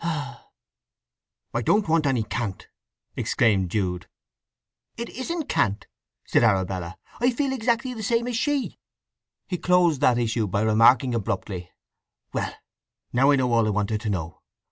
"I don't want any cant!" exclaimed Jude. "It isn't cant," said Arabella. "I feel exactly the same as she!" He closed that issue by remarking abruptly: "Well—now I know all I wanted to know.